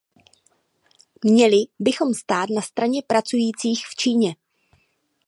Měli bychom stát na straně pracujících v Číně.